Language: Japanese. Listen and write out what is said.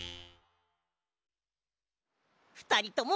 ふたりとも